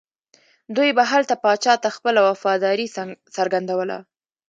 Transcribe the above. دوی به هلته پاچا ته خپله وفاداري څرګندوله.